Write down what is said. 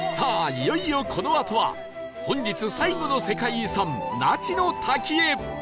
いよいよこのあとは本日最後の世界遺産那智の滝へ